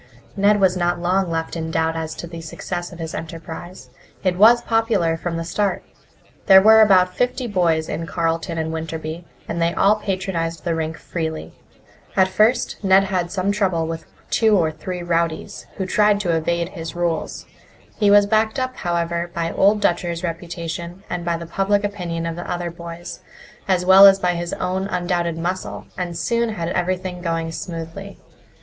Ned was not long left in doubt as to the success of his enterprise. It was popular from the start. There were about fifty boys in Carleton and Winterby, and they all patronized the rink freely. At first Ned had some trouble with two or three rowdies, who tried to evade his rules. He was backed up, however, by Old Dutcher's reputation and by the public opinion of the other boys, as well as by his own undoubted muscle, and soon had everything going smoothly.